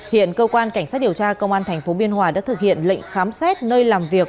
hiện cơ quan cảnh sát điều tra công an tp biên hòa đã thực hiện lệnh khám xét nơi làm việc